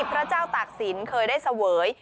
พระเจ้าตากศิลป์เคยได้เสวย